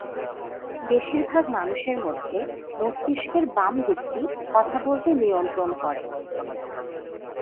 বেশিরভাগ মানুষের মধ্যে মস্তিষ্কের বাম দিকটি কথা বলতে নিয়ন্ত্রণ করে।